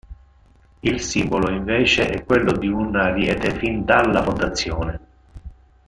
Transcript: Il simbolo, invece, è quello di un ariete fin dalla fondazione.